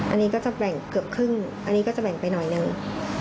อันนี้ก็จะแบ่งเกือบครึ่งอันนี้ก็จะแบ่งไปหน่อยหนึ่ง